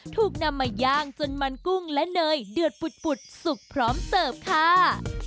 ถูกนำมาย่างจนมันกุ้งและเนยเดือดปุดสุกพร้อมเสิร์ฟค่ะ